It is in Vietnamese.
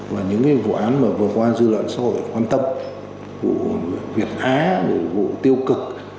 và những vụ án vừa qua dư luận sau đó để quan tâm vụ việt á vụ tiêu cơ